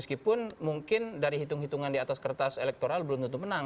meskipun mungkin dari hitung hitungan di atas kertas elektoral belum tentu menang